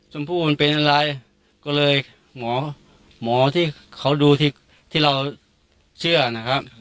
ชมพู่มันเป็นอะไรก็เลยหมอหมอที่เขาดูที่ที่เราเชื่อนะครับ